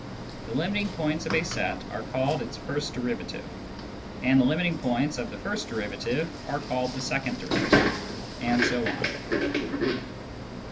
The limiting points of a set are called its " first derivative," and the limiting points of the first derivative are called the second derivative, and so on.